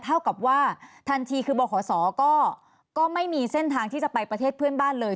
เท่ากับว่าทันทีคือบขศก็ไม่มีเส้นทางที่จะไปประเทศเพื่อนบ้านเลย